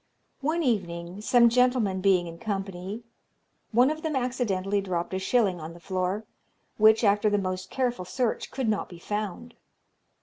"One evening, some gentlemen being in company, one of them accidentally dropped a shilling on the floor, which, after the most careful search, could not be found.